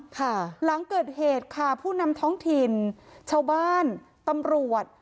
ค่ะหลังเกิดเหตุค่ะผู้นำท้องถิ่นชาวบ้านตำรวจ